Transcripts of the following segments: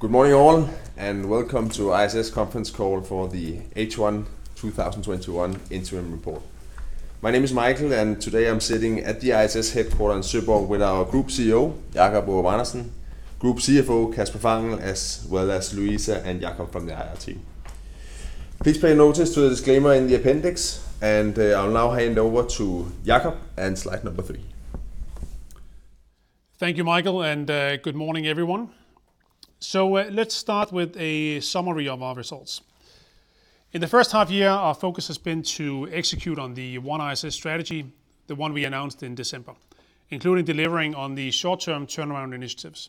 Good morning all, welcome to ISS conference call for the H1 2021 interim report. My name is Michael, and today I'm sitting at the ISS headquarters in Søborg with our Group CEO, Jacob Aarup-Andersen, Group CFO, Kasper Fangel, as well as Louise and Jakob from the IR team. Please pay notice to the disclaimer in the appendix, and I'll now hand over to Jacob and slide number three. Thank you, Michael, and good morning, everyone. Let's start with a summary of our results. In the first half year, our focus has been to execute on the OneISS strategy, the one we announced in December, including delivering on the short-term turnaround initiatives.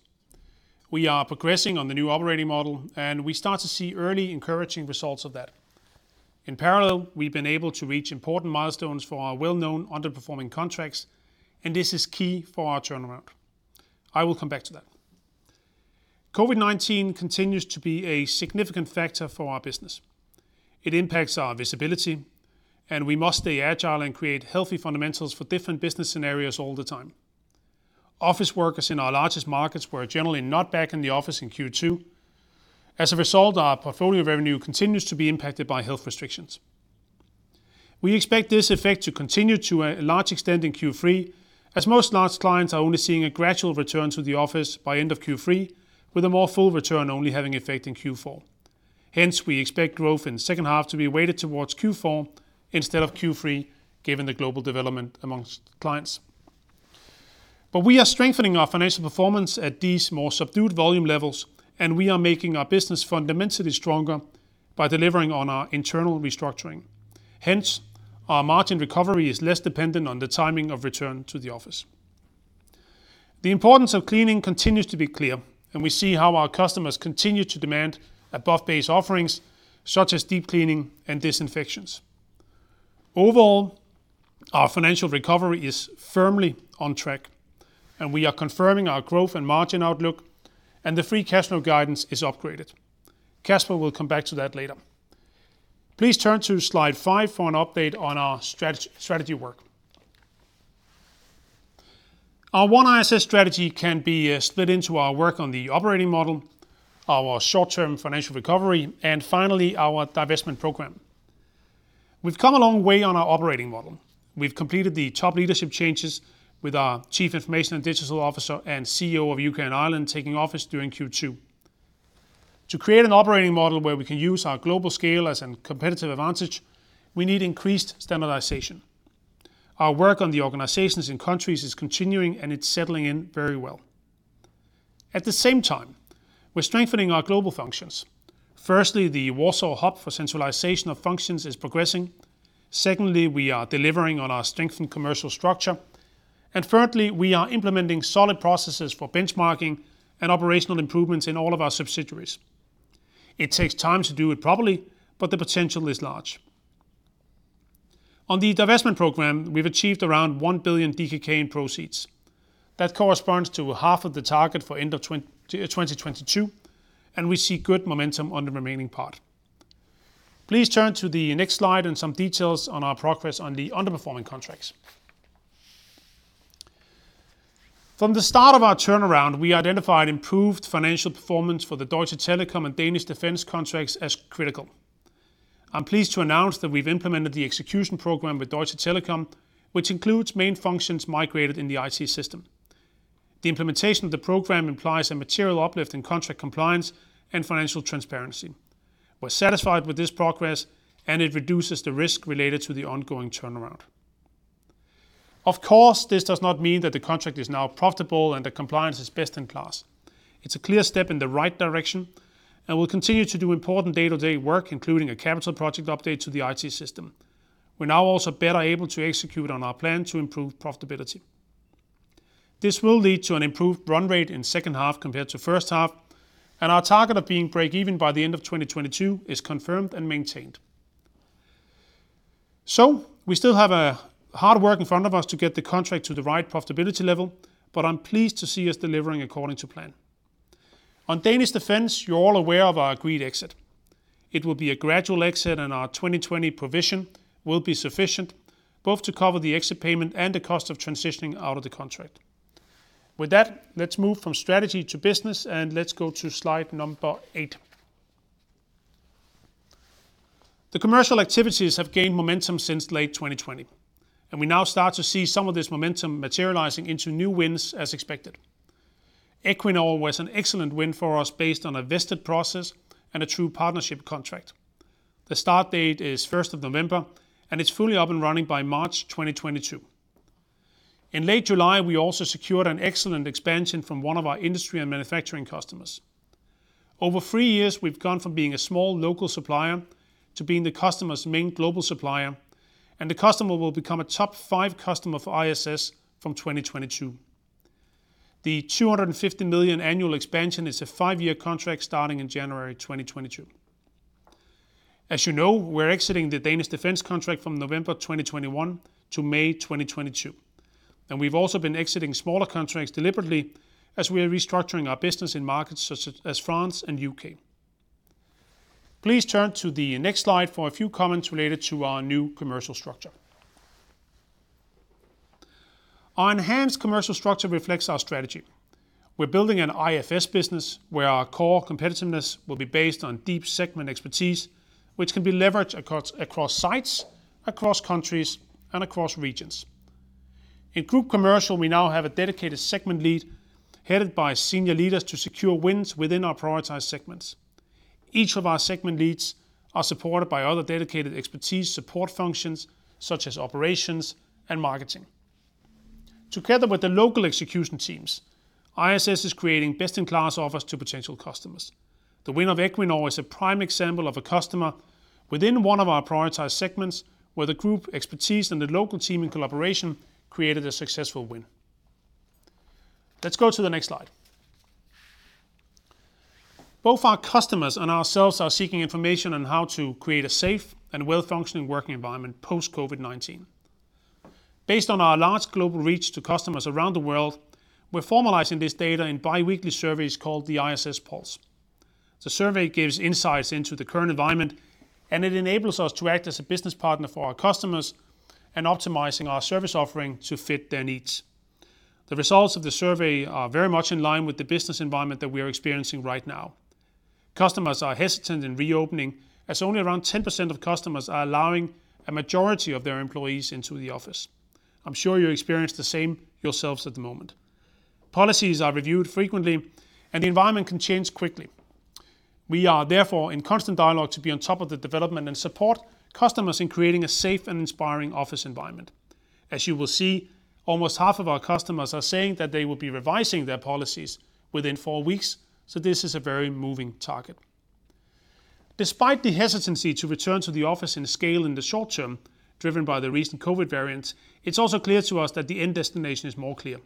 We are progressing on the new operating model, and we start to see early encouraging results of that. In parallel, we've been able to reach important milestones for our well-known underperforming contracts, and this is key for our turnaround. I will come back to that. COVID-19 continues to be a significant factor for our business. It impacts our visibility, and we must stay agile and create healthy fundamentals for different business scenarios all the time. Office workers in our largest markets were generally not back in the office in Q2. As a result, our portfolio revenue continues to be impacted by health restrictions. We expect this effect to continue to a large extent in Q3, as most large clients are only seeing a gradual return to the office by end of Q3, with a more full return only having effect in Q4. Hence, we expect growth in the second half to be weighted towards Q4 instead of Q3, given the global development amongst clients. We are strengthening our financial performance at these more subdued volume levels, and we are making our business fundamentally stronger by delivering on our internal restructuring. Hence, our margin recovery is less dependent on the timing of return to the office. The importance of cleaning continues to be clear, and we see how our customers continue to demand above-base offerings such as deep cleaning and disinfections. Overall, our financial recovery is firmly on track, and we are confirming our growth and margin outlook, and the free cash flow guidance is upgraded. Kasper will come back to that later. Please turn to slide five for an update on our strategy work. Our OneISS strategy can be split into our work on the operating model, our short-term financial recovery, and finally, our divestment program. We've come a long way on our operating model. We've completed the top leadership changes with our Chief Information and Digital Officer and CEO of U.K. and Ireland taking office during Q2. To create an operating model where we can use our global scale as a competitive advantage, we need increased standardization. Our work on the organizations and countries is continuing, and it's settling in very well. At the same time, we're strengthening our global functions. Firstly, the Warsaw shared services for centralization of functions is progressing. Secondly, we are delivering on our strengthened commercial structure. Thirdly, we are implementing solid processes for benchmarking and operational improvements in all of our subsidiaries. It takes time to do it properly, but the potential is large. On the divestment program, we've achieved around 1 billion DKK in proceeds. That corresponds to half of the target for end of 2022, and we see good momentum on the remaining part. Please turn to the next slide and some details on our progress on the underperforming contracts. From the start of our turnaround, we identified improved financial performance for the Deutsche Telekom and Danish Defence contracts as critical. I'm pleased to announce that we've implemented the execution program with Deutsche Telekom, which includes main functions migrated in the IT system. The implementation of the program implies a material uplift in contract compliance and financial transparency. We're satisfied with this progress, and it reduces the risk related to the ongoing turnaround. Of course, this does not mean that the contract is now profitable and the compliance is best in class. It's a clear step in the right direction, and we'll continue to do important day-to-day work, including a capital project update to the IT system. We're now also better able to execute on our plan to improve profitability. This will lead to an improved run rate in 2nd half compared to 1st half, and our target of being break even by the end of 2022 is confirmed and maintained. We still have hard work in front of us to get the contract to the right profitability level, but I'm pleased to see us delivering according to plan. On Danish Defence, you're all aware of our agreed exit. It will be a gradual exit, and our 2020 provision will be sufficient both to cover the exit payment and the cost of transitioning out of the contract. With that, let's move from strategy to business, and let's go to slide number eight. The commercial activities have gained momentum since late 2020, and we now start to see some of this momentum materializing into new wins as expected. Equinor was an excellent win for us based on a vested process and a true partnership contract. The start date is 1st of November, and it's fully up and running by March 2022. In late July, we also secured an excellent expansion from one of our industry and manufacturing customers. Over three years, we've gone from being a small local supplier to being the customer's main global supplier, and the customer will become a top 5 customer for ISS from 2022. The 250 million annual expansion is a five-year contract starting in January 2022. As you know, we're exiting the Danish Defence contract from November 2021 to May 2022, and we've also been exiting smaller contracts deliberately as we are restructuring our business in markets such as France and U.K. Please turn to the next slide for a few comments related to our new commercial structure. Our enhanced commercial structure reflects our strategy. We're building an IFS business where our core competitiveness will be based on deep segment expertise, which can be leveraged across sites, across countries, and across regions. In group commercial, we now have a dedicated segment lead headed by senior leaders to secure wins within our prioritized segments. Each of our segment leads are supported by other dedicated expertise support functions, such as operations and marketing. Together with the local execution teams, ISS is creating best-in-class offers to potential customers. The win of Equinor is a prime example of a customer within one of our prioritized segments, where the group expertise and the local team in collaboration created a successful win. Let's go to the next slide. Both our customers and ourselves are seeking information on how to create a safe and well-functioning working environment post-COVID-19. Based on our large global reach to customers around the world, we're formalizing this data in biweekly surveys called the ISS Pulse. The survey gives insights into the current environment, and it enables us to act as a business partner for our customers and optimizing our service offering to fit their needs. The results of the survey are very much in line with the business environment that we are experiencing right now. Customers are hesitant in reopening, as only around 10% of customers are allowing a majority of their employees into the office. I'm sure you experience the same yourselves at the moment. Policies are reviewed frequently, and the environment can change quickly. We are therefore in constant dialogue to be on top of the development and support customers in creating a safe and inspiring office environment. As you will see, almost half of our customers are saying that they will be revising their policies within four weeks, so this is a very moving target. Despite the hesitancy to return to the office in scale in the short term, driven by the recent COVID variants, it is also clear to us that the end destination is more clear.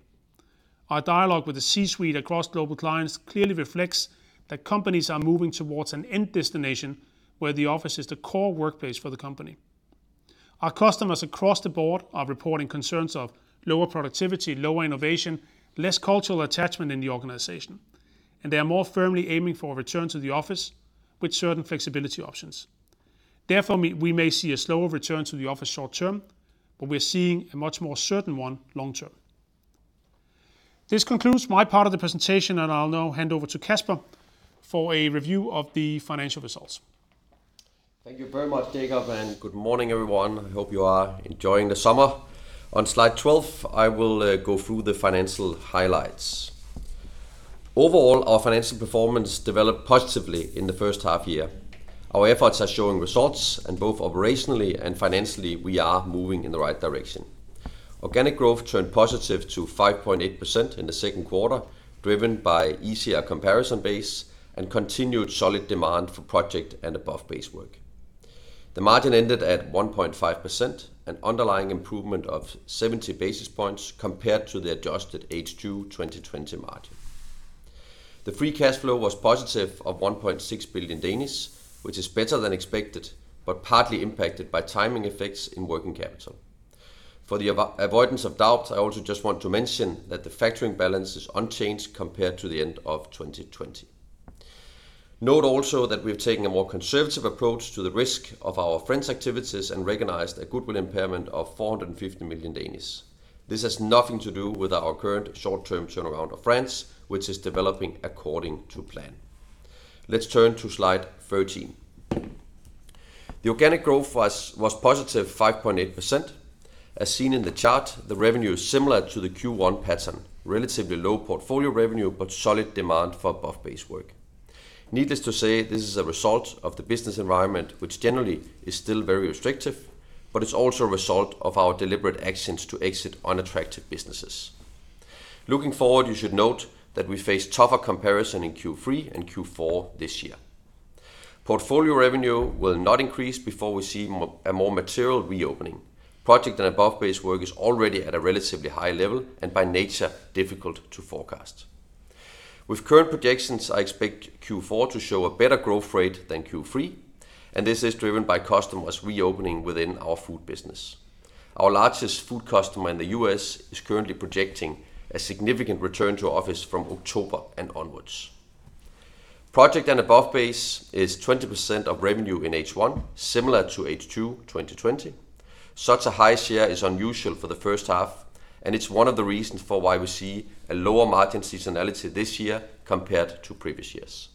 Our dialogue with the C-suite across global clients clearly reflects that companies are moving towards an end destination where the office is the core workplace for the company. Our customers across the board are reporting concerns of lower productivity, lower innovation, less cultural attachment in the organization, and they are more firmly aiming for a return to the office with certain flexibility options. Therefore, we may see a slower return to the office short term, but we're seeing a much more certain one long term. This concludes my part of the presentation. I'll now hand over to Kasper for a review of the financial results. Thank you very much, Jacob. Good morning, everyone. I hope you are enjoying the summer. On slide 12, I will go through the financial highlights. Overall, our financial performance developed positively in the first half year. Our efforts are showing results. Both operationally and financially, we are moving in the right direction. Organic growth turned positive to 5.8% in the second quarter, driven by easier comparison base and continued solid demand for project and above-base work. The margin ended at 1.5%, an underlying improvement of 70 basis points compared to the adjusted H2 2020 margin. The free cash flow was positive of 1.6 billion, which is better than expected, but partly impacted by timing effects in working capital. For the avoidance of doubt, I also just want to mention that the factoring balance is unchanged compared to the end of 2020. Note also that we've taken a more conservative approach to the risk of our French activities and recognized a goodwill impairment of 450 million. This has nothing to do with our current short-term turnaround of France, which is developing according to plan. Let's turn to slide 13. The organic growth was positive 5.8%. As seen in the chart, the revenue is similar to the Q1 pattern, relatively low portfolio revenue, but solid demand for above-base work. Needless to say, this is a result of the business environment, which generally is still very restrictive, but it's also a result of our deliberate actions to exit unattractive businesses. Looking forward, you should note that we face tougher comparison in Q3 and Q4 this year. Portfolio revenue will not increase before we see a more material reopening. Project and above-base work is already at a relatively high level and by nature difficult to forecast. With current projections, I expect Q4 to show a better growth rate than Q3. This is driven by customers reopening within our food business. Our largest food customer in the U.S. is currently projecting a significant return to office from October and onwards. Project and above base is 20% of revenue in H1, similar to H2 2020. Such a high share is unusual for the first half. It's one of the reasons for why we see a lower margin seasonality this year compared to previous years.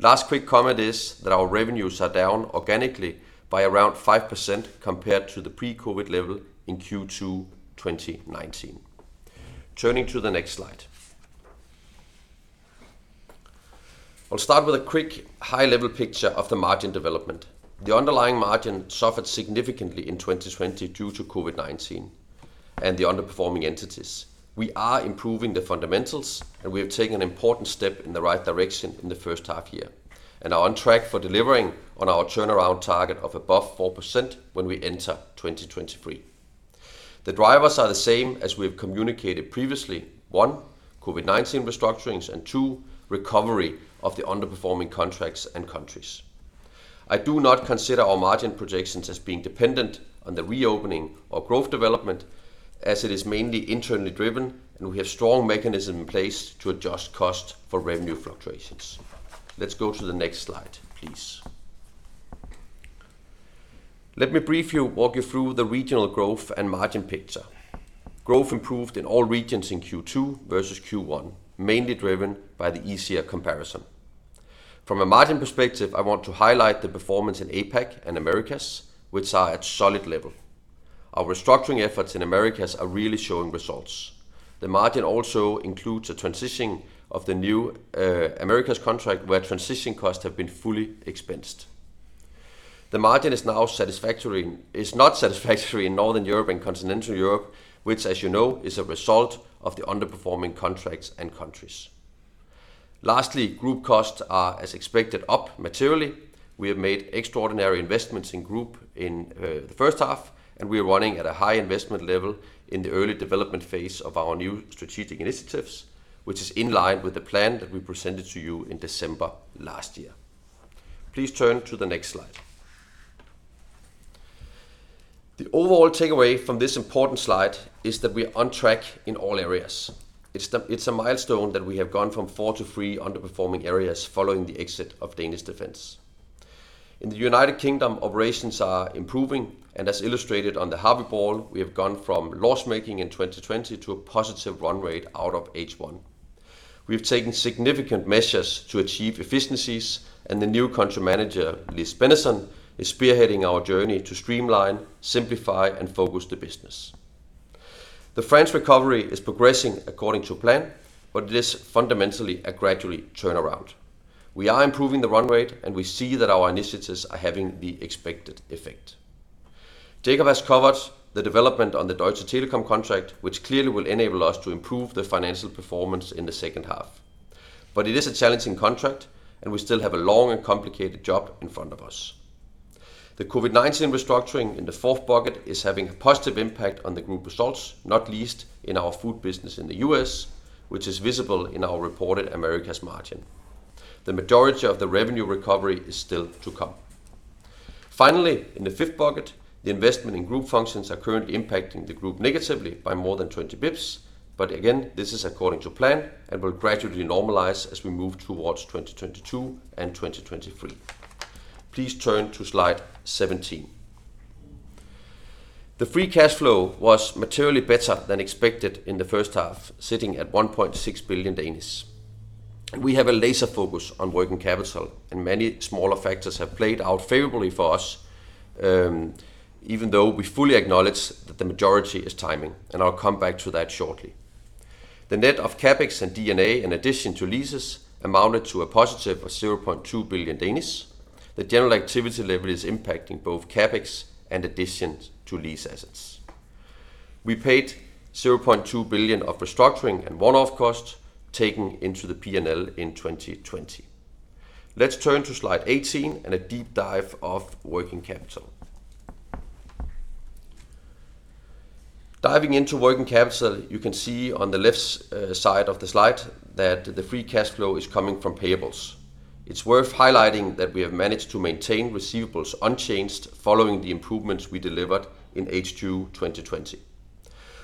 Last quick comment is that our revenues are down organically by around 5% compared to the pre-COVID level in Q2 2019. Turning to the next slide. I'll start with a quick high-level picture of the margin development. The underlying margin suffered significantly in 2020 due to COVID-19 and the underperforming entities. We are improving the fundamentals, and we have taken an important step in the right direction in the first half-year and are on track for delivering on our turnaround target of above 4% when we enter 2023. The drivers are the same as we have communicated previously. One, COVID-19 restructurings, and two, recovery of the underperforming contracts and countries. I do not consider our margin projections as being dependent on the reopening or growth development as it is mainly internally driven, and we have strong mechanism in place to adjust cost for revenue fluctuations. Let's go to the next slide, please. Let me briefly walk you through the regional growth and margin picture. Growth improved in all regions in Q2 versus Q1, mainly driven by the easier comparison. From a margin perspective, I want to highlight the performance in APAC and Americas, which are at solid level. Our restructuring efforts in Americas are really showing results. The margin also includes a transitioning of the new Americas contract, where transition costs have been fully expensed. The margin is not satisfactory in Northern Europe and Continental Europe, which, as you know, is a result of the underperforming contracts and countries. Lastly, group costs are as expected up materially. We have made extraordinary investments in group in the first half, and we are running at a high investment level in the early development phase of our new strategic initiatives, which is in line with the plan that we presented to you in December last year. Please turn to the next slide. The overall takeaway from this important slide is that we are on track in all areas. It's a milestone that we have gone from four to three underperforming areas following the exit of Danish Defence. In the United Kingdom, operations are improving and as illustrated on the Harvey balls, we have gone from loss-making in 2020 to a positive run rate out of H1. We've taken significant measures to achieve efficiencies, and the new Country Manager, Liz Benison, is spearheading our journey to streamline, simplify, and focus the business. The France recovery is progressing according to plan. It is fundamentally a gradual turnaround. We are improving the run rate, and we see that our initiatives are having the expected effect. Jacob has covered the development on the Deutsche Telekom contract, which clearly will enable us to improve the financial performance in the second half. It is a challenging contract, and we still have a long and complicated job in front of us. The COVID-19 restructuring in the fourth bucket is having a positive impact on the group results, not least in our food business in the U.S., which is visible in our reported Americas margin. The majority of the revenue recovery is still to come. Finally, in the fifth bucket, the investment in group functions are currently impacting the group negatively by more than 20 basis points. Again, this is according to plan and will gradually normalize as we move towards 2022 and 2023. Please turn to slide 17. The free cash flow was materially better than expected in the first half, sitting at 1.6 billion. We have a laser focus on working capital, and many smaller factors have played out favorably for us. Even though we fully acknowledge that the majority is timing, and I'll come back to that shortly. The net of CapEx and D&A in addition to leases amounted to a positive of 0.2 billion. The general activity level is impacting both CapEx and addition to lease assets. We paid 0.2 billion of restructuring and one-off costs taken into the P&L in 2020. Let's turn to Slide 18 and a deep dive of working capital. Diving into working capital, you can see on the left side of the slide that the free cash flow is coming from payables. It's worth highlighting that we have managed to maintain receivables unchanged following the improvements we delivered in Q2 2020.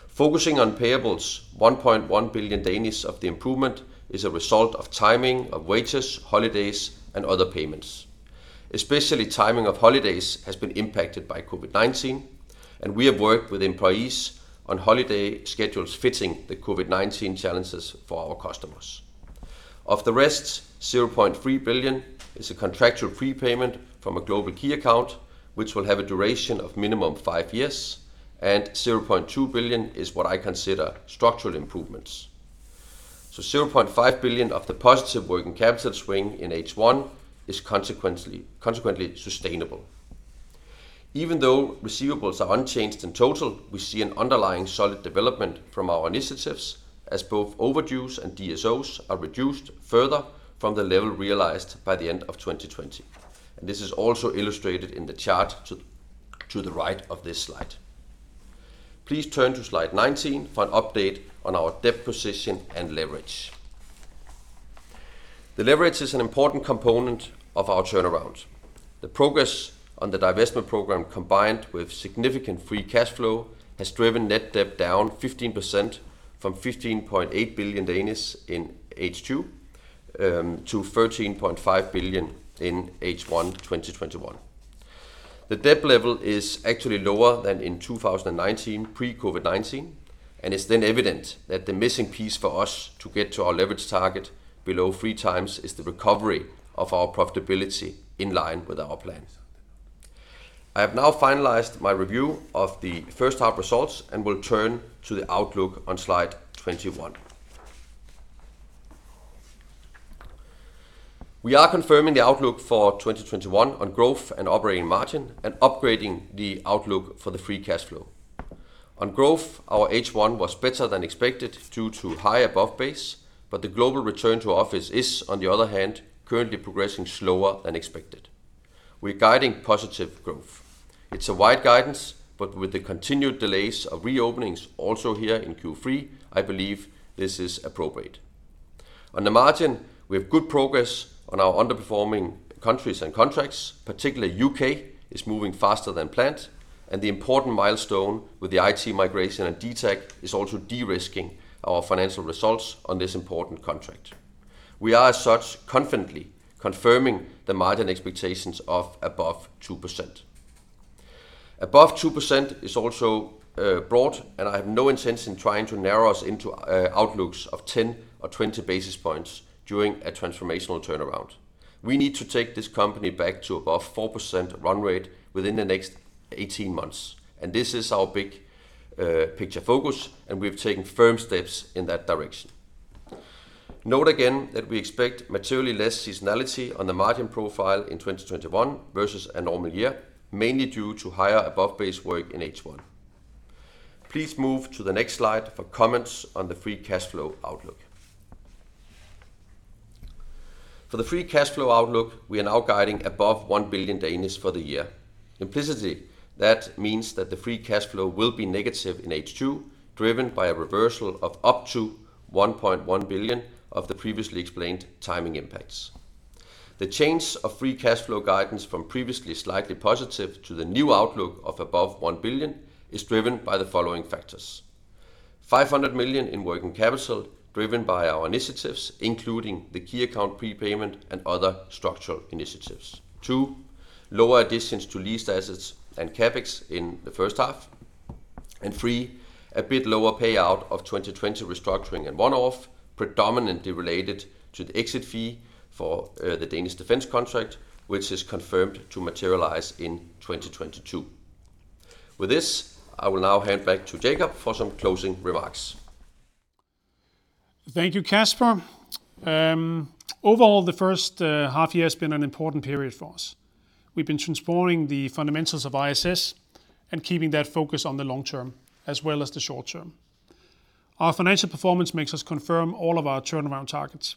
Focusing on payables, 1.1 billion of the improvement is a result of timing of wages, holidays, and other payments. Especially timing of holidays has been impacted by COVID-19, and we have worked with employees on holiday schedules fitting the COVID-19 challenges for our customers. Of the rest, 0.3 billion is a contractual prepayment from a global key account, which will have a duration of minimum five years, and 0.2 billion is what I consider structural improvements. 0.5 billion of the positive working capital swing in H1 is consequently sustainable. Even though receivables are unchanged in total, we see an underlying solid development from our initiatives as both overdues and DSOs are reduced further from the level realized by the end of 2020. This is also illustrated in the chart to the right of this slide. Please turn to slide 19 for an update on our debt position and leverage. The leverage is an important component of our turnaround. The progress on the divestment program, combined with significant free cash flow, has driven net debt down 15% from 15.8 billion in H2 to 13.5 billion in H1 2021. The debt level is actually lower than in 2019, pre-COVID-19. It's then evident that the missing piece for us to get to our leverage target below three times is the recovery of our profitability in line with our plans. I have now finalized my review of the first half results and will turn to the outlook on slide 21. We are confirming the outlook for 2021 on growth and operating margin and upgrading the outlook for the free cash flow. On growth, our H1 was better than expected due to high above base. The global return to office is, on the other hand, currently progressing slower than expected. We're guiding positive growth. It's a wide guidance. With the continued delays of re-openings also here in Q3, I believe this is appropriate. On the margin, we have good progress on our underperforming countries and contracts. Particularly U.K. is moving faster than planned, and the important milestone with the IT migration at DTAG is also de-risking our financial results on this important contract. We are as such confidently confirming the margin expectations of above 2%. Above 2% is also broad, and I have no intention trying to narrow us into outlooks of 10 or 20 basis points during a transformational turnaround. We need to take this company back to above 4% run rate within the next 18 months, and this is our big picture focus, and we've taken firm steps in that direction. Note again that we expect materially less seasonality on the margin profile in 2021 versus a normal year, mainly due to higher above-base work in H1. Please move to the next slide for comments on the free cash flow outlook. For the free cash flow outlook, we are now guiding above 1 billion for the year. Implicitly, that means that the free cash flow will be negative in H2, driven by a reversal of up to 1.1 billion of the previously explained timing impacts. The change of free cash flow guidance from previously slightly positive to the new outlook of above 1 billion is driven by the following factors. 500 million in working capital, driven by our initiatives, including the key account prepayment and other structural initiatives. Two, lower additions to leased assets and CapEx in the first half. Three, a bit lower payout of 2020 restructuring and one-off, predominantly related to the exit fee for the Danish Defence contract, which is confirmed to materialize in 2022. With this, I will now hand back to Jacob for some closing remarks. Thank you, Kasper. Overall, the first half year has been an important period for us. We've been transforming the fundamentals of ISS and keeping that focus on the long term as well as the short term. Our financial performance makes us confirm all of our turnaround targets.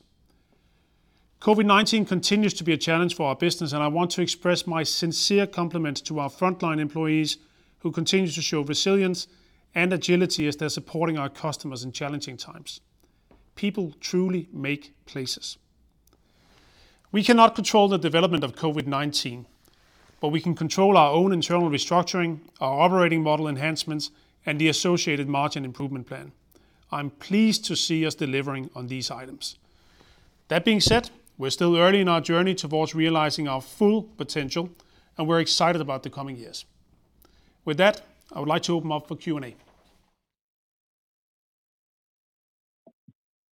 COVID-19 continues to be a challenge for our business, and I want to express my sincere compliments to our frontline employees, who continue to show resilience and agility as they're supporting our customers in challenging times. People truly make places. We cannot control the development of COVID-19, but we can control our own internal restructuring, our operating model enhancements, and the associated margin improvement plan. I'm pleased to see us delivering on these items. That being said, we're still early in our journey towards realizing our full potential, and we're excited about the coming years. With that, I would like to open up for Q&A.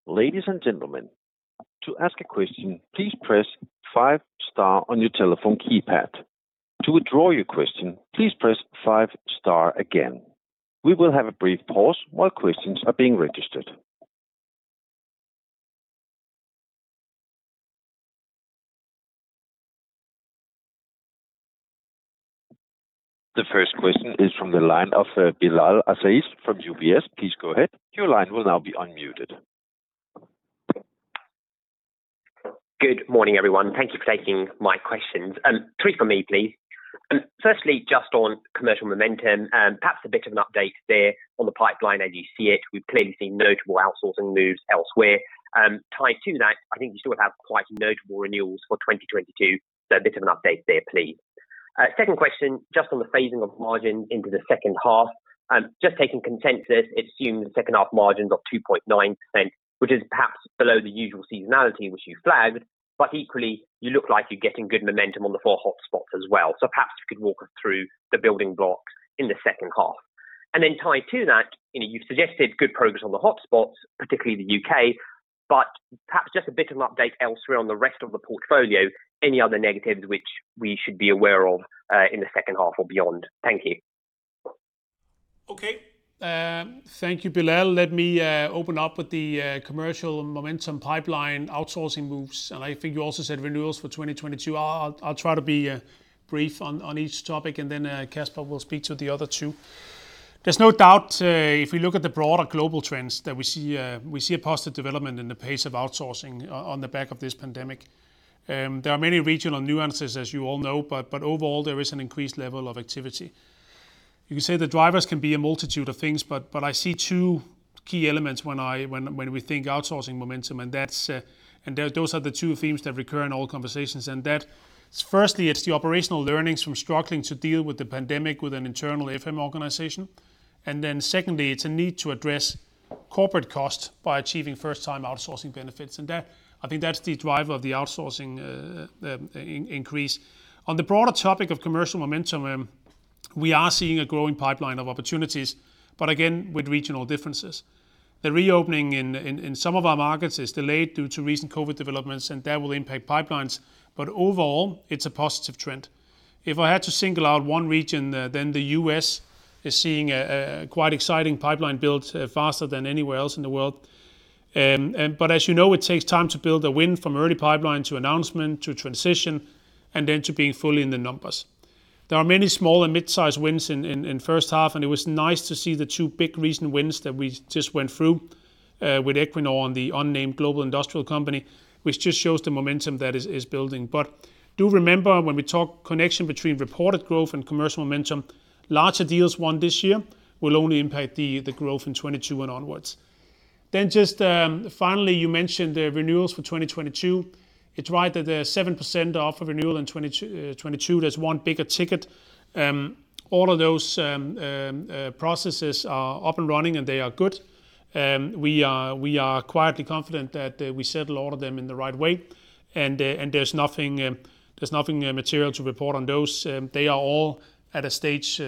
Ladies and gentlemen, to ask a question, please press five star on your telephone keypad. To withdraw your question, please press five star again. We will have a brief pause while questions are being registered. The first question is from the line of Bilal Aziz from UBS. Please go ahead. Your line will now be unmuted. Good morning, everyone. Thank you for taking my questions. Three for me, please. Just on commercial momentum, perhaps a bit of an update there on the pipeline as you see it. We've clearly seen notable outsourcing moves elsewhere. Tied to that, I think you still have quite notable renewals for 2022. A bit of an update there, please. Second question, just on the phasing of margin into the second half. Just taking consensus, it assumes the second half margins of 2.9%, which is perhaps below the usual seasonality, which you flagged, equally, you look like you're getting good momentum on the four hotspots as well. Perhaps you could walk us through the building blocks in the second half. Tied to that, you've suggested good progress on the hotspots, particularly the U.K., but perhaps just a bit of an update elsewhere on the rest of the portfolio. Any other negatives which we should be aware of in the second half or beyond? Thank you. Okay. Thank you, Bilal. Let me open up with the commercial momentum pipeline outsourcing moves. I think you also said renewals for 2022. I'll try to be brief on each topic. Then Kasper will speak to the other two. There's no doubt if we look at the broader global trends that we see a positive development in the pace of outsourcing on the back of this pandemic. There are many regional nuances, as you all know. Overall, there is an increased level of activity. You can say the drivers can be a multitude of things. I see two key elements when we think outsourcing momentum. Those are the two themes that recur in all conversations. That firstly, it's the operational learnings from struggling to deal with the pandemic with an internal FM organization. Then secondly, it's a need to address corporate cost by achieving first-time outsourcing benefits, and I think that's the driver of the outsourcing increase. On the broader topic of commercial momentum, we are seeing a growing pipeline of opportunities, but again, with regional differences. The reopening in some of our markets is delayed due to recent COVID developments, and that will impact pipelines. Overall, it's a positive trend. If I had to single out one region, then the U.S. is seeing a quite exciting pipeline build faster than anywhere else in the world. As you know, it takes time to build a win from early pipeline to announcement to transition and then to being fully in the numbers. There are many small and mid-size wins in first half, and it was nice to see the two big recent wins that we just went through with Equinor on the unnamed global industrial company, which just shows the momentum that is building. Do remember when we talk connection between reported growth and commercial momentum, larger deals won this year will only impact the growth in 2022 and onwards. Just finally, you mentioned the renewals for 2022. It's right that there are 7% up for renewal in 2022. There's one bigger ticket. All of those processes are up and running, and they are good. We are quietly confident that we settle all of them in the right way, and there's nothing material to report on those. They are all at a stage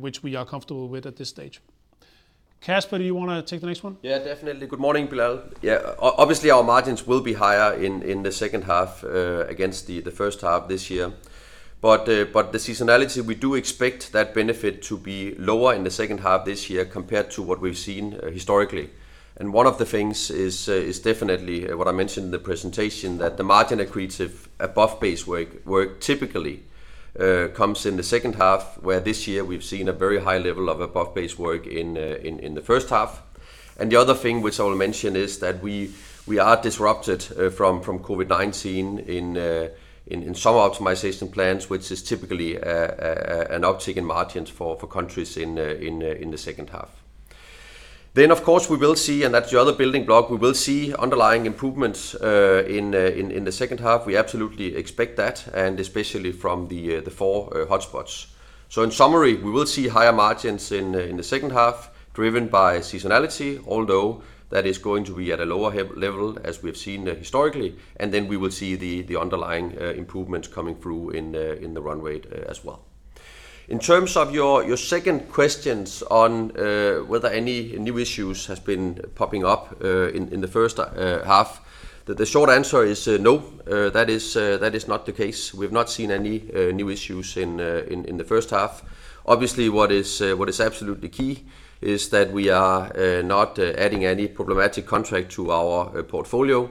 which we are comfortable with at this stage. Kasper, do you want to take the next one? Yeah, definitely. Good morning, Bilal. Obviously, our margins will be higher in the second half against the first half this year. The seasonality, we do expect that benefit to be lower in the second half of this year compared to what we've seen historically. One of the things is definitely what I mentioned in the presentation, that the margin accretive above-base work typically comes in the second half, where this year we've seen a very high level of above-base work in the first half. The other thing which I will mention is that we are disrupted from COVID-19 in summer optimization plans, which is typically an uptick in margins for countries in the second half. Of course, we will see, and that's the other building block, we will see underlying improvements in the second half. We absolutely expect that, and especially from the four hotspots. In summary, we will see higher margins in the second half driven by seasonality, although that is going to be at a lower level as we have seen historically, and then we will see the underlying improvements coming through in the run rate as well. In terms of your second questions on whether any new issues have been popping up in the first half, the short answer is no, that is not the case. We've not seen any new issues in the first half. Obviously, what is absolutely key is that we are not adding any problematic contract to our portfolio.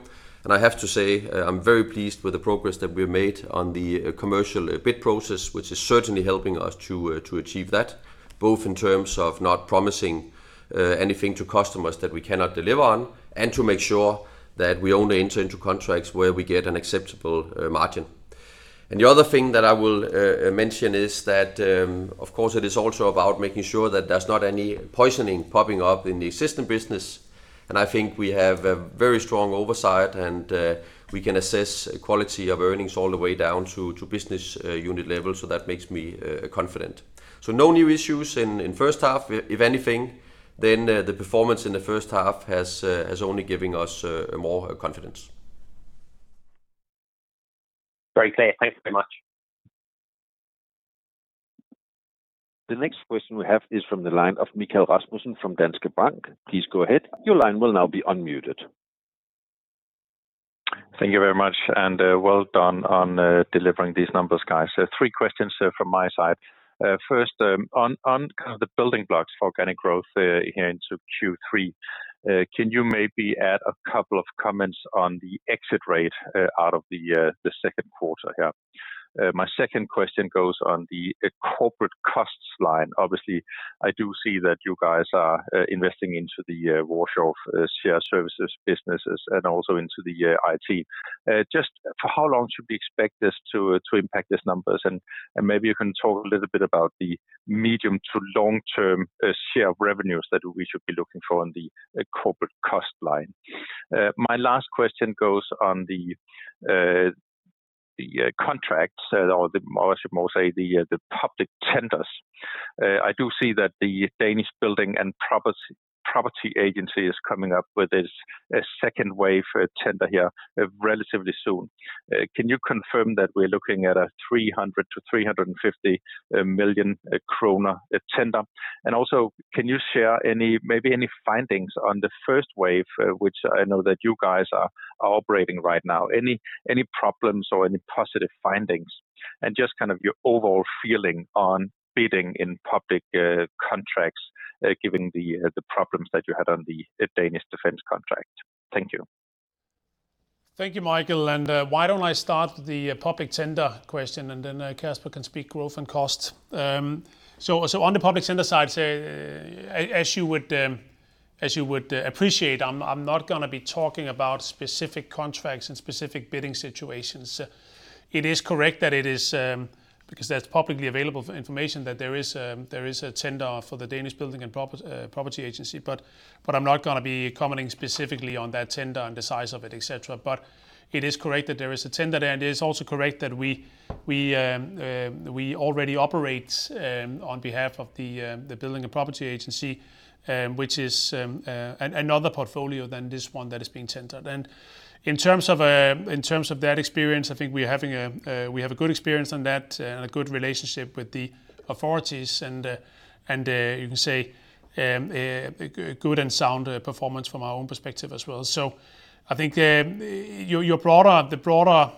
I have to say, I'm very pleased with the progress that we've made on the commercial bid process, which is certainly helping us to achieve that, both in terms of not promising anything to customers that we cannot deliver on, and to make sure that we only enter into contracts where we get an acceptable margin. The other thing that I will mention is that, of course, it is also about making sure that there's not any poisoning popping up in the existing business, and I think we have a very strong oversight, and we can assess quality of earnings all the way down to business unit level. That makes me confident. No new issues in first half. If anything, the performance in the first half has only given us more confidence. Very clear. Thanks very much. The next question we have is from the line of Michael Vitfell-Rasmussen from Danske Bank. Please go ahead. Thank you very much, and well done on delivering these numbers, guys. Three questions from my side. First, on the building blocks for organic growth here into Q3, can you maybe add a couple of comments on the exit rate out of the second quarter here? My second question goes on the corporate costs line. Obviously, I do see that you guys are investing into the Warsaw shared services businesses and also into the IT. Just for how long should we expect this to impact these numbers? Maybe you can talk a little bit about the medium to long-term share of revenues that we should be looking for on the corporate cost line. My last question goes on the contracts or I should more say the public tenders. I do see that the Danish Building and Property Agency is coming up with this second wave tender here relatively soon. Can you confirm that we're looking at a 300 million-350 million kroner tender? Also, can you share maybe any findings on the first wave, which I know that you guys are operating right now? Any problems or any positive findings? And just your overall feeling on bidding in public contracts, given the problems that you had on the Danish Defence contract. Thank you. Thank you, Michael. Why don't I start the public tender question, then Kasper can speak growth and cost. On the public tender side, as you would appreciate, I'm not going to be talking about specific contracts and specific bidding situations. It is correct that it is, because that's publicly available information, that there is a tender for the Danish Building and Property Agency. I'm not going to be commenting specifically on that tender and the size of it, et cetera. It is correct that there is a tender, it is also correct that we already operate on behalf of the Building and Property Agency, which is another portfolio than this one that is being tendered. In terms of that experience, I think we have a good experience on that and a good relationship with the authorities, and you can say a good and sound performance from our own perspective as well. I think the broader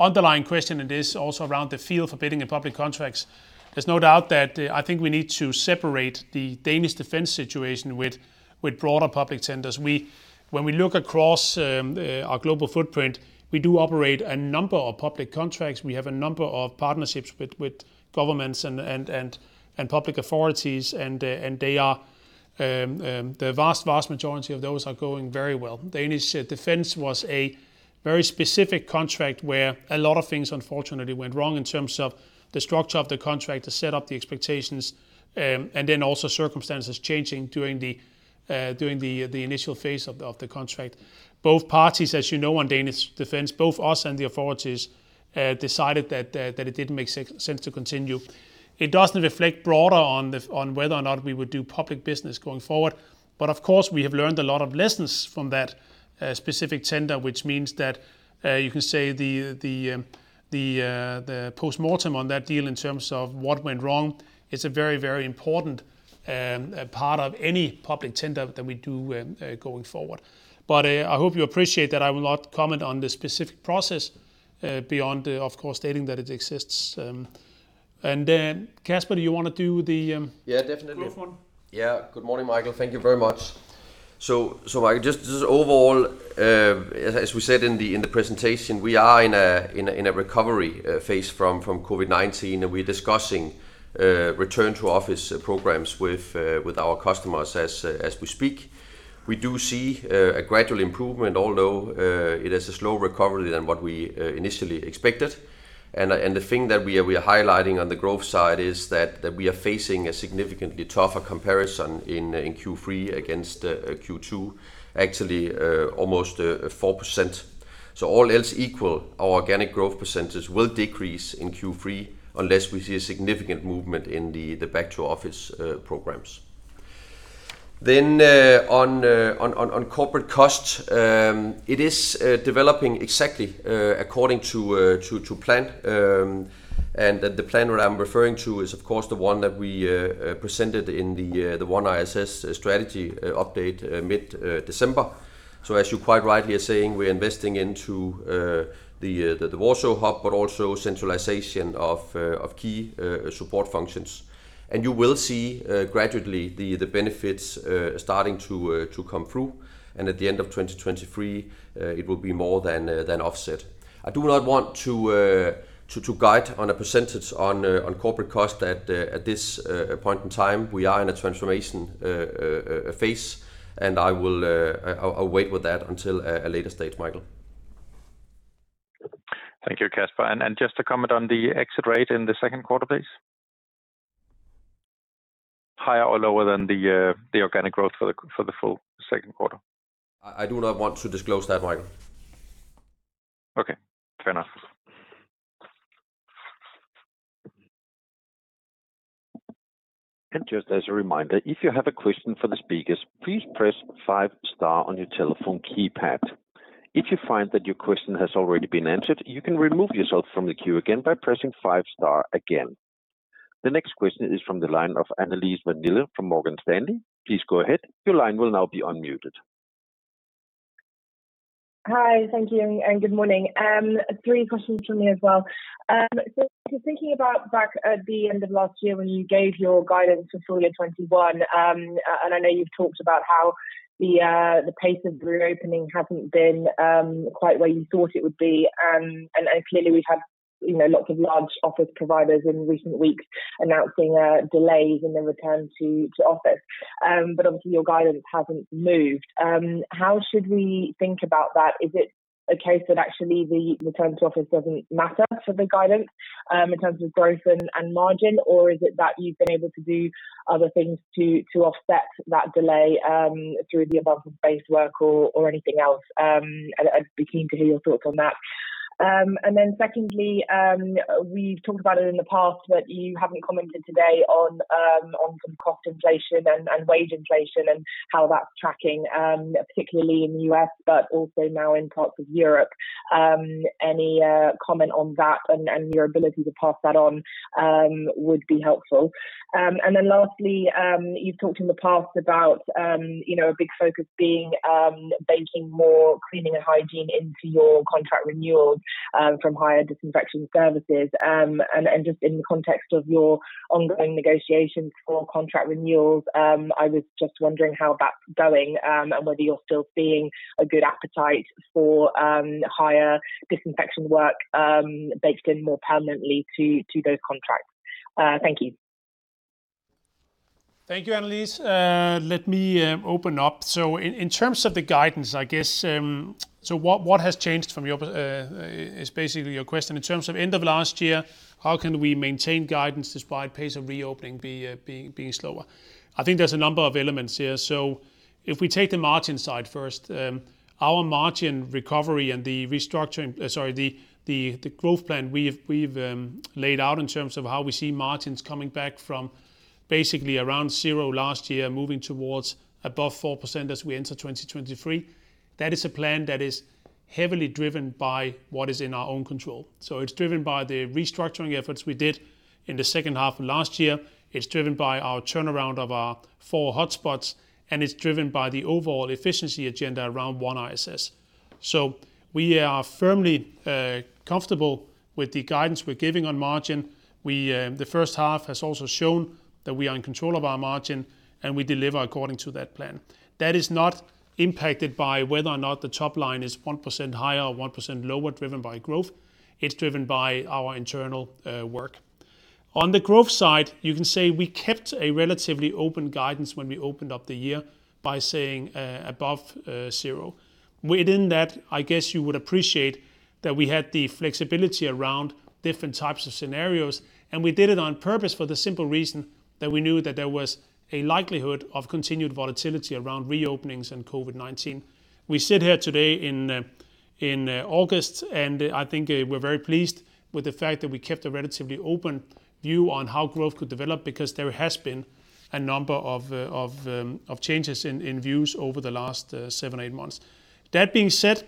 underlying question in this, also around the field for bidding in public contracts. There is no doubt that I think we need to separate the Danish Defence situation with broader public tenders. When we look across our global footprint, we do operate a number of public contracts. We have a number of partnerships with governments and public authorities, and the vast majority of those are going very well. Danish Defence was a very specific contract where a lot of things, unfortunately, went wrong in terms of the structure of the contract to set up the expectations, also circumstances changing during the initial phase of the contract. Both parties, as you know, on Danish Defence, both us and the authorities, decided that it didn't make sense to continue. It doesn't reflect broader on whether or not we would do public business going forward. Of course, we have learned a lot of lessons from that specific tender, which means that you can say the postmortem on that deal in terms of what went wrong, it's a very, very important part of any public tender that we do going forward. I hope you appreciate that I will not comment on the specific process, beyond, of course, stating that it exists. Kasper, do you want to do the? Yeah, definitely. Growth 1? Good morning, Michael. Thank you very much. Michael, just as overall, as we said in the presentation, we are in a recovery phase from COVID-19, and we're discussing return to office programs with our customers as we speak. We do see a gradual improvement, although it is a slow recovery than what we initially expected. The thing that we are highlighting on the growth side is that we are facing a significantly tougher comparison in Q3 against Q2, actually almost 4%. All else equal, our organic growth percentage will decrease in Q3 unless we see a significant movement in the back to office programs. On corporate costs, it is developing exactly according to plan. The plan that I'm referring to is, of course, the one that we presented in the OneISS strategy update mid December. As you're quite right here saying, we're investing into the Warsaw hub, but also centralization of key support functions. You will see gradually the benefits starting to come through, and at the end of 2023, it will be more than offset. I do not want to guide on a % on corporate cost at this point in time. We are in a transformation phase, and I'll wait with that until a later stage, Michael. Thank you, Kasper. Just a comment on the exit rate in the second quarter, please. Higher or lower than the organic growth for the full second quarter? I do not want to disclose that, Michael. Okay, fair enough. Just as a reminder, if you have a question for the speakers, please press five star on your telephone keypad. If you find that your question has already been answered, you can remove yourself from the queue again by pressing five star again. The next question is from the line of Annelies Vermeulen from Morgan Stanley. Please go ahead, your line will now be unmuted. Hi. Thank you, and good morning. Three questions from me as well. If you're thinking about back at the end of last year when you gave your guidance for full year 2021, I know you've talked about how the pace of reopening hasn't been quite where you thought it would be. Clearly we've had lots of large office providers in recent weeks announcing delays in the return to office. Obviously your guidance hasn't moved. How should we think about that? Is it a case that actually the return to office doesn't matter for the guidance, in terms of growth and margin? Or is it that you've been able to do other things to offset that delay through the above base work or anything else? I'd be keen to hear your thoughts on that. Secondly, we've talked about it in the past, but you haven't commented today on some cost inflation and wage inflation and how that's tracking, particularly in the U.S., but also now in parts of Europe. Any comment on that and your ability to pass that on would be helpful. Lastly, you've talked in the past about a big focus being baking more cleaning and hygiene into your contract renewals from higher disinfection services. Just in the context of your ongoing negotiations for contract renewals, I was just wondering how that's going, and whether you're still seeing a good appetite for higher disinfection work baked in more permanently to those contracts. Thank you. Thank you, Annelies. Let me open up. In terms of the guidance, what has changed is basically your question, in terms of end of last year, how can we maintain guidance despite pace of reopening being slower? I think there's a number of elements here. If we take the margin side first, our margin recovery and the restructuring Sorry, the growth plan we've laid out in terms of how we see margins coming back from basically around 0 last year, moving towards above 4% as we enter 2023. That is a plan that is heavily driven by what is in our own control. It's driven by the restructuring efforts we did in the second half of last year. It's driven by our turnaround of our four hotspots, and it's driven by the overall efficiency agenda around OneISS. We are firmly comfortable with the guidance we're giving on margin. The first half has also shown that we are in control of our margin, and we deliver according to that plan. That is not impacted by whether or not the top line is 1% higher or 1% lower, driven by growth. It's driven by our internal work. On the growth side, you can say we kept a relatively open guidance when we opened up the year by saying above 0. Within that, I guess you would appreciate that we had the flexibility around different types of scenarios, and we did it on purpose for the simple reason that we knew that there was a likelihood of continued volatility around reopenings and COVID-19. I think we're very pleased with the fact that we kept a relatively open view on how growth could develop, There has been a number of changes in views over the last seven, eight months. That being said,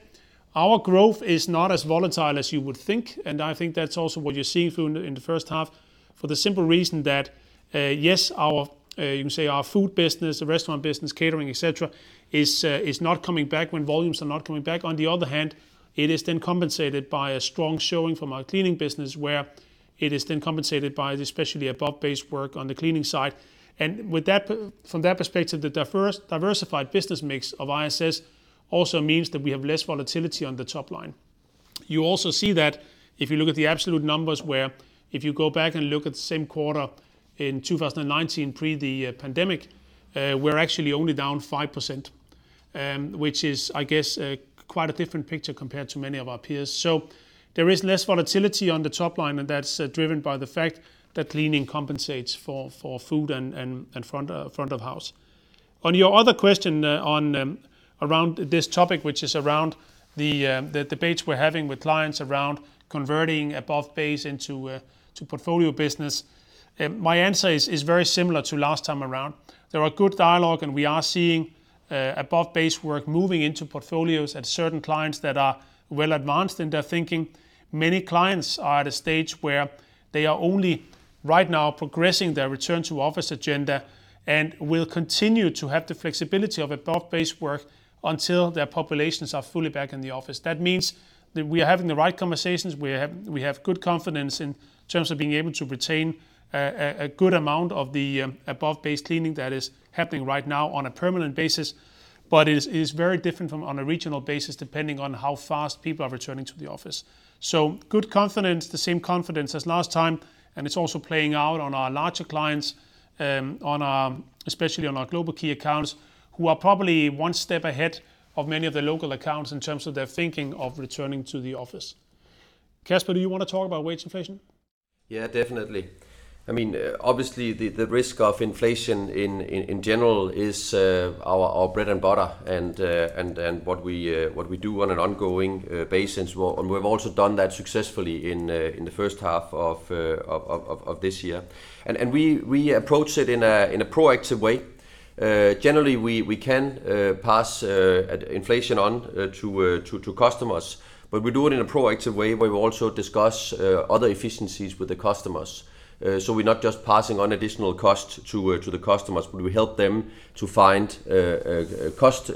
our growth is not as volatile as you would think, and I think that's also what you're seeing in the first half for the simple reason that, yes, you can say our food business, restaurant business, catering, et cetera, is not coming back when volumes are not coming back. On the other hand, it is then compensated by a strong showing from our cleaning business, where it is then compensated by the, especially above-base work on the cleaning side. From that perspective, the diversified business mix of ISS also means that we have less volatility on the top line. You also see that if you look at the absolute numbers, where if you go back and look at the same quarter in 2019, pre the pandemic, we're actually only down 5%, which is, I guess, quite a different picture compared to many of our peers. There is less volatility on the top line, and that's driven by the fact that cleaning compensates for food and front of house. On your other question around this topic, which is around the debates we're having with clients around converting above base into portfolio business, my answer is very similar to last time around. There are good dialogue, and we are seeing above-base work moving into portfolios at certain clients that are well advanced in their thinking. Many clients are at a stage where they are only right now progressing their return-to-office agenda and will continue to have the flexibility of above-base work until their populations are fully back in the office. That means that we are having the right conversations. We have good confidence in terms of being able to retain a good amount of the above-base cleaning that is happening right now on a permanent basis, but is very different from on a regional basis, depending on how fast people are returning to the office. Good confidence, the same confidence as last time, and it's also playing out on our larger clients, especially on our global key accounts, who are probably one step ahead of many of the local accounts in terms of their thinking of returning to the office. Kasper, do you want to talk about wage inflation? Yeah, definitely. Obviously, the risk of inflation in general is our bread and butter and what we do on an ongoing basis. We've also done that successfully in the first half of this year. We approach it in a proactive way. Generally, we can pass inflation on to customers, but we do it in a proactive way where we also discuss other efficiencies with the customers. We're not just passing on additional cost to the customers, but we help them to find cost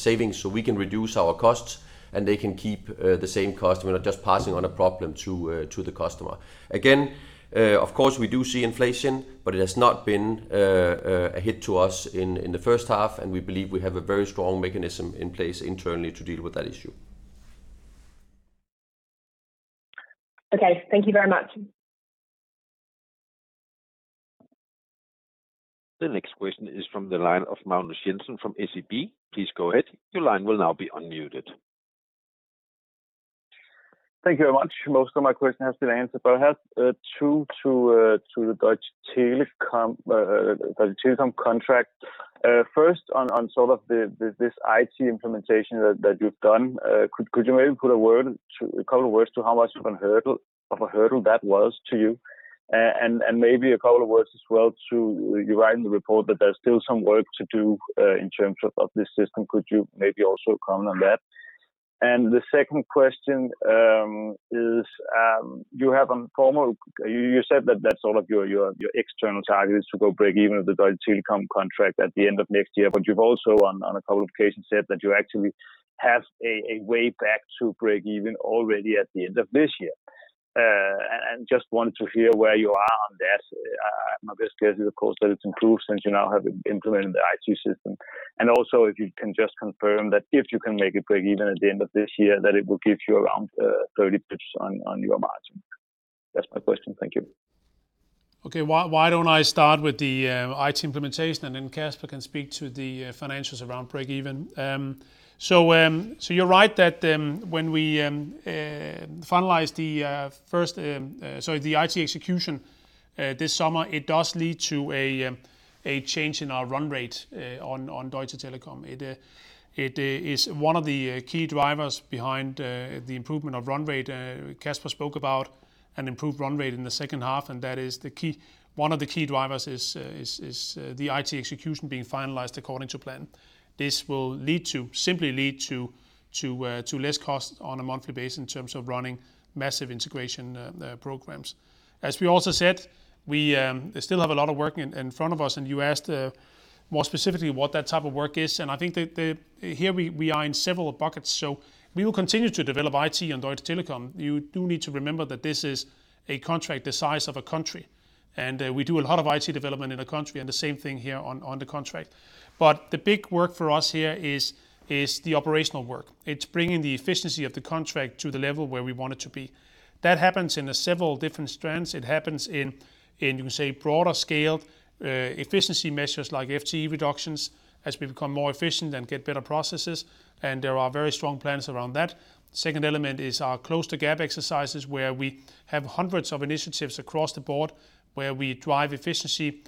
savings so we can reduce our costs, and they can keep the same cost. We're not just passing on a problem to the customer. Again, of course, we do see inflation, but it has not been a hit to us in the first half, and we believe we have a very strong mechanism in place internally to deal with that issue. Okay, thank you very much. The next question is from the line of Magnus Jensen from SEB. Please go ahead. Your line will now be unmuted. Thank you very much. Most of my question has been answered. I have two to the Deutsche Telekom contract. First, on sort of this IT implementation that you've done, could you maybe put a couple of words to how much of a hurdle that was to you? Maybe a couple of words as well to, you write in the report that there's still some work to do in terms of this system. Could you maybe also comment on that? The second question is, you said that that's all of your external targets to go break even with the Deutsche Telekom contract at the end of next year. You've also, on a couple of occasions, said that you actually have a way back to break even already at the end of this year. Just want to hear where you are on that. My best guess is, of course, that it's improved since you now have implemented the IT system. Also, if you can just confirm that if you can make it break even at the end of this year, that it will give you around 30 bps on your margin. That's my question. Thank you. Okay. Why don't I start with the IT implementation, Kasper can speak to the financials around break even? You're right that when we finalized the IT execution this summer, it does lead to a change in our run rate on Deutsche Telekom. It is one of the key drivers behind the improvement of run rate. Kasper spoke about an improved run rate in the second half, one of the key drivers is the IT execution being finalized according to plan. This will simply lead to less cost on a monthly basis in terms of running massive integration programs. As we also said, we still have a lot of work in front of us, you asked more specifically what that type of work is, I think that here we are in several buckets. We will continue to develop IT on Deutsche Telekom. You do need to remember that this is a contract the size of a country, and we do a lot of IT development in the country and the same thing here on the contract. But the big work for us here is the operational work. It's bringing the efficiency of the contract to the level where we want it to be. That happens in several different strands. It happens in, you can say, broader scale efficiency measures like FTE reductions as we become more efficient and get better processes, and there are very strong plans around that. Second element is our close-the-gap exercises, where we have hundreds of initiatives across the board where we drive efficiency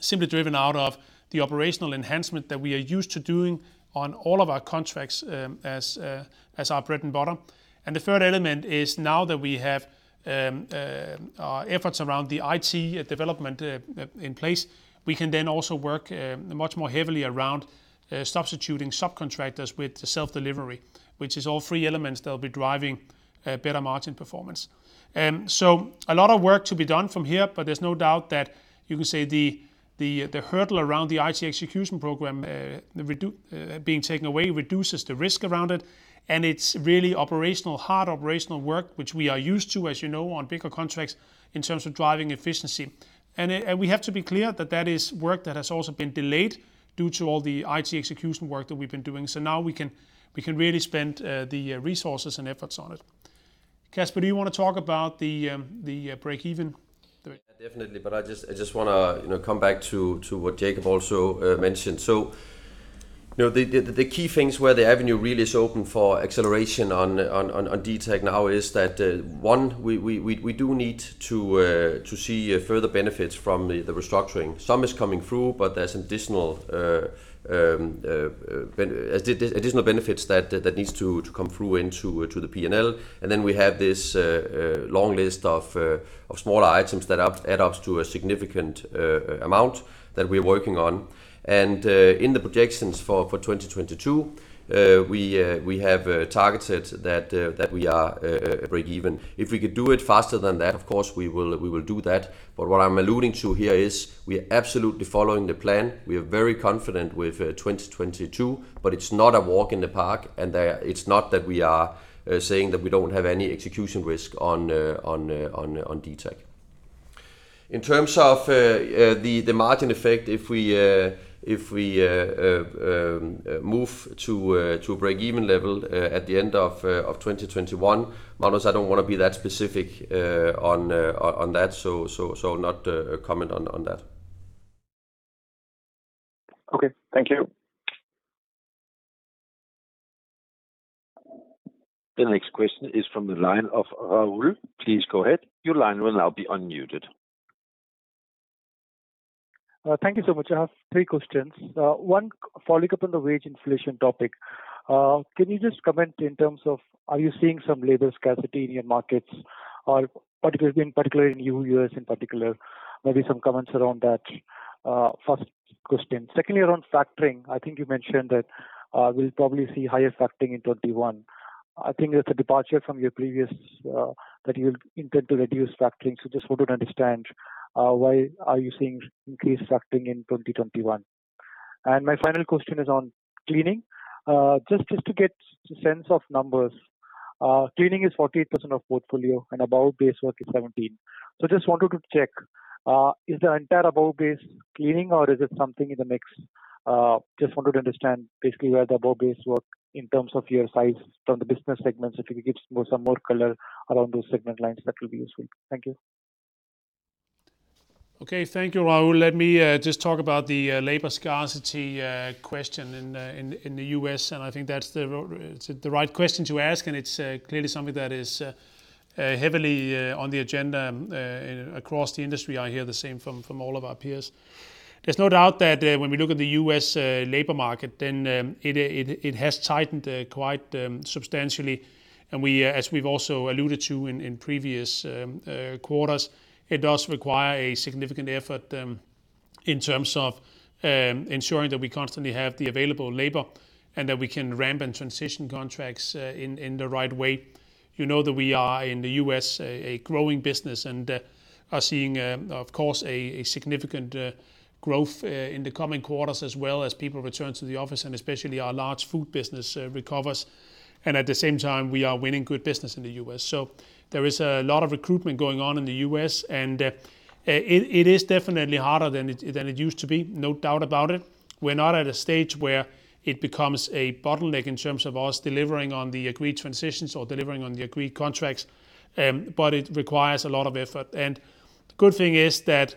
simply driven out of the operational enhancement that we are used to doing on all of our contracts as our bread and butter. The third element is now that we have our efforts around the IT development in place, we can then also work much more heavily around substituting subcontractors with self-delivery, which is all three elements that will be driving better margin performance. A lot of work to be done from here, but there's no doubt that you can say the hurdle around the IT execution program being taken away reduces the risk around it, and it's really operational, hard operational work, which we are used to, as you know, on bigger contracts in terms of driving efficiency. We have to be clear that that is work that has also been delayed due to all the IT execution work that we've been doing. Now we can really spend the resources and efforts on it. Kasper, do you want to talk about the breakeven? Definitely. I just want to come back to what Jacob also mentioned. The key things where the avenue really is open for acceleration on DTAG now is that, 1, we do need to see further benefits from the restructuring. Some is coming through, but there's additional benefits that needs to come through into the P&L. We have this long list of smaller items that add up to a significant amount that we're working on. In the projections for 2022, we have targeted that we are breakeven. If we could do it faster than that, of course, we will do that. What I'm alluding to here is we are absolutely following the plan. We are very confident with 2022, but it's not a walk in the park, and it's not that we are saying that we don't have any execution risk on DTAG. In terms of the margin effect, if we move to a breakeven level at the end of 2021, Magnus, I don't want to be that specific on that, so not a comment on that. Okay. Thank you. The next question is from the line of Raul. Please go ahead. Thank you so much. I have three questions. One following up on the wage inflation topic. Can you just comment in terms of are you seeing some labor scarcity in your markets or in particular in U.S. in particular? Maybe some comments around that. First question. Secondly, around factoring, I think you mentioned that we'll probably see higher factoring in 2021. I think that's a departure from your previous that you intend to reduce factoring. Just wanted to understand why are you seeing increased factoring in 2021? My final question is on cleaning. Just to get a sense of numbers. Cleaning is 48% of portfolio and above base work is 17%. Just wanted to check, is the entire above base cleaning or is it something in the mix? Just wanted to understand basically where the above base work in terms of your size from the business segments. If you could give some more color around those segment lines, that will be useful. Thank you. Thank you, Raul. Let me just talk about the labor scarcity question in the U.S., and I think that it's the right question to ask, and it's clearly something that is heavily on the agenda across the industry. I hear the same from all of our peers. There's no doubt that when we look at the U.S. labor market, then it has tightened quite substantially. As we've also alluded to in previous quarters, it does require a significant effort in terms of ensuring that we constantly have the available labor and that we can ramp and transition contracts in the right way. You know that we are in the U.S. a growing business and are seeing, of course, a significant growth in the coming quarters as well as people return to the office and especially our large food business recovers. At the same time, we are winning good business in the U.S. There is a lot of recruitment going on in the U.S., and it is definitely harder than it used to be, no doubt about it. We're not at a stage where it becomes a bottleneck in terms of us delivering on the agreed transitions or delivering on the agreed contracts. It requires a lot of effort. The good thing is that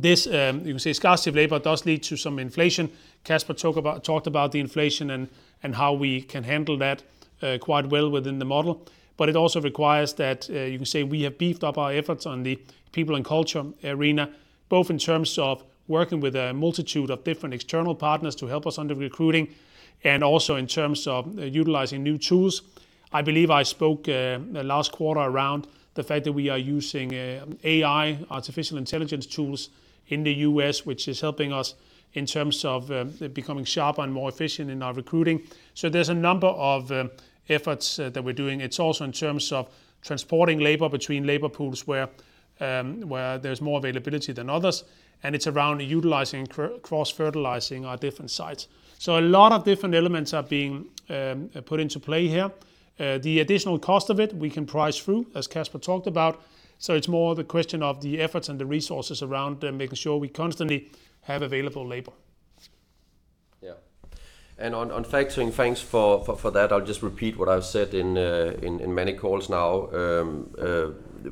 This, you can say scarcity of labor does lead to some inflation. Kasper talked about the inflation and how we can handle that quite well within the model. It also requires that, you can say, we have beefed up our efforts on the people and culture arena, both in terms of working with a multitude of different external partners to help us on the recruiting, and also in terms of utilizing new tools. I believe I spoke last quarter around the fact that we are using AI, artificial intelligence tools, in the U.S., which is helping us in terms of becoming sharper and more efficient in our recruiting. There's a number of efforts that we're doing. It's also in terms of transporting labor between labor pools where there's more availability than others, and it's around utilizing, cross-fertilizing our different sites. A lot of different elements are being put into play here. The additional cost of it, we can price through, as Kasper talked about. It's more the question of the efforts and the resources around making sure we constantly have available labor. On factoring, thanks for that. I'll just repeat what I've said in many calls now.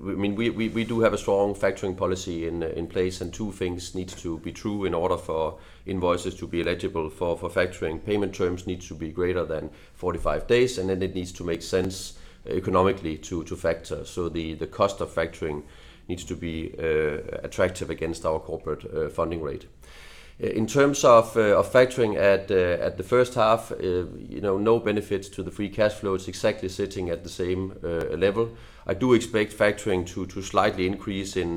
We do have a strong factoring policy in place, and two things need to be true in order for invoices to be eligible for factoring. Payment terms need to be greater than 45 days, and then it needs to make sense economically to factor. The cost of factoring needs to be attractive against our corporate funding rate. In terms of factoring at the first half, no benefits to the free cash flow. It's exactly sitting at the same level. I do expect factoring to slightly increase in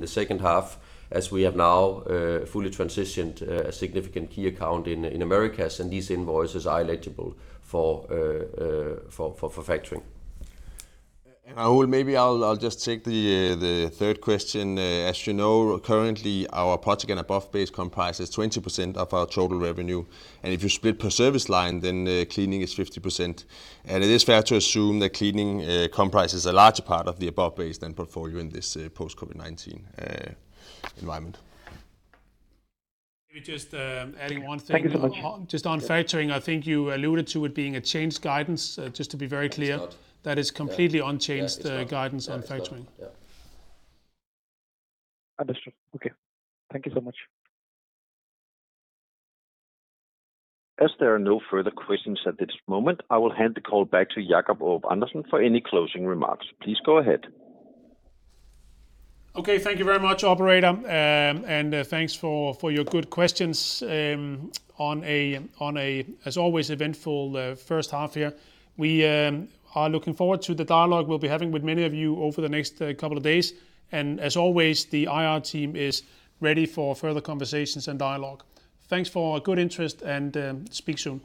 the second half as we have now fully transitioned a significant key account in Americas, and these invoices are eligible for factoring. Raul, maybe I'll just take the third question. As you know, currently our projects and above base comprises 20% of our total revenue. If you split per service line, then cleaning is 50%. It is fair to assume that cleaning comprises a larger part of the above base than portfolio in this post-COVID-19 environment. Maybe just adding one thing. Thank you so much. Just on factoring, I think you alluded to it being a changed guidance. Just to be very clear that is completely unchanged guidance on factoring. Yeah, it's not. Understood. Okay. Thank you so much. As there are no further questions at this moment, I will hand the call back to Jacob Aarup-Andersen for any closing remarks. Please go ahead. Okay. Thank you very much, operator, and thanks for your good questions on a, as always, eventful first half here. We are looking forward to the dialogue we'll be having with many of you over the next couple of days. As always, the IR team is ready for further conversations and dialogue. Thanks for your good interest, and speak soon.